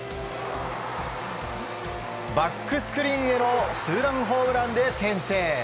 バックスクリーンへのツーランホームランで先制。